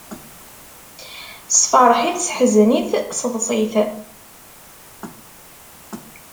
Sefreḥ-it, seḥzen-it, seḍs-it.